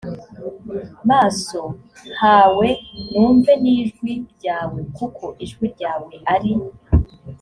maso hawe numve n ijwi ryawe kuko ijwi ryawe ari